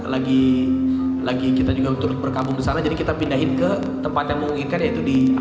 lagi lagi kita juga turut berkabung di sana jadi kita pindahin ke tempat yang memungkinkan yaitu di